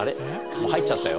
もう入っちゃったよ